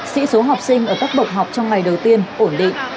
sĩ số học sinh ở các bậc học trong ngày đầu tiên ổn định